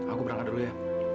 aku berangkat dulu ya